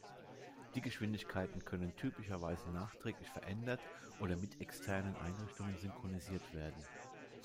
Die Geschwindigkeiten können typischerweise nachträglich verändert oder mit externen Einrichtungen synchronisiert werden.